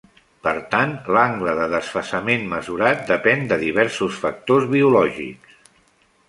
Per tant, l'angle de desfasament mesurat depèn de diversos factors biològics.